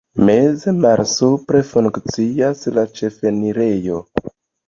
Meze malsupre funkcias la ĉefenirejo.